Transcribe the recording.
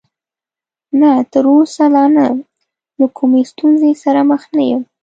نه، تر اوسه لا نه، له کومې ستونزې سره مخ نه یم.